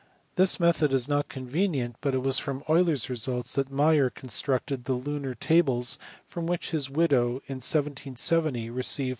This method is not convenient, but it was from Euler s results that Mayer* constructed the lunar tables for which his widow in 1770 received